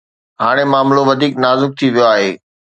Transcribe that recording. هاڻي معاملو وڌيڪ نازڪ ٿي ويو آهي.